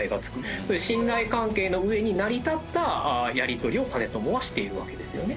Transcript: そういう信頼関係の上に成り立ったやり取りを実朝はしているわけですよね。